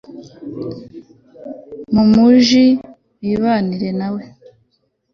mumuji bibanire nawe…